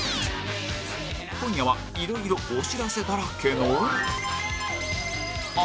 今夜はいろいろお知らせだらけの